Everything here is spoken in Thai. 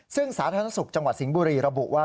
ซึ่งสาธารณสุขจังหวัดสิงห์บุรีระบุว่า